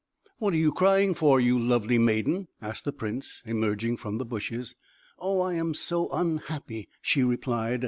"What are you crying for, you lovely maiden?" asked the prince, emerging from the bushes. "Oh! I am so unhappy!" she replied.